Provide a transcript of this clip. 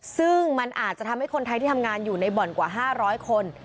ซึ่งมันอาจจะทำให้คนไทยที่ทำงานอยู่ในบ่อนกว่า๕๐๐คน